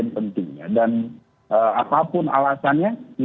dan apapun alasannya tidak ada alasan kegiatan ini pokoknya lakukan